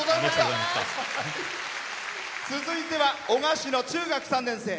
続いては男鹿市の中学３年生。